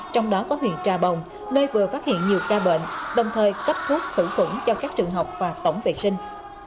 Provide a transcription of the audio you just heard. trong đó có huyện trà bồng nơi vừa phát hiện nhiều ca bệnh đồng thời cấp thuốc khử khuẩn cho các trường học và tổng vệ sinh